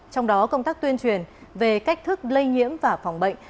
trong đó công tác tuyên truyền về cách thức lây nhiễm và phòng bệnh